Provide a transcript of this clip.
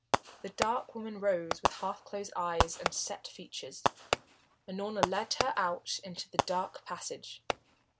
The dark woman rose with half closed eyes and set features. Unorna led her out into the dark passage.